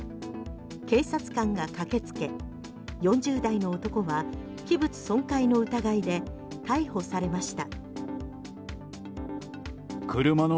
警察官が駆け付け４０代の男は器物損壊の疑いで逮捕されました。